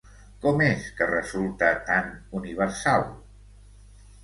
¿Com és que resulta tan universal?